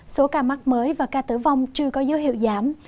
số ca mắc mới và ca tử vong chưa có dấu hiệu giảm